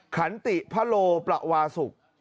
ขันติพะโลประวาสุก